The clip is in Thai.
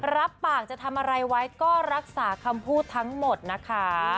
รับปากจะทำอะไรไว้ก็รักษาคำพูดทั้งหมดนะคะ